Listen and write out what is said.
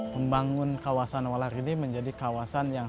membangun kawasan walar ini menjadi kawasan yang